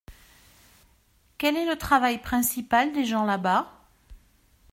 Quel est le travail principal des gens là-bas ?